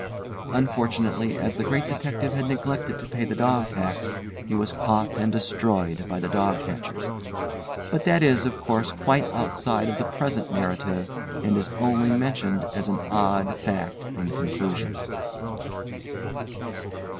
Unfortunately as the Great Detective had neglected to pay the dog tax, he was caught and destroyed by the dog catchers. But that is, of course, quite outside of the present narrative, and is only mentioned as an odd fact in conclusion.